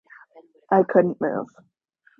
I couldn't move.